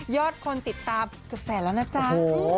อดคนติดตามเกือบแสนแล้วนะจ๊ะ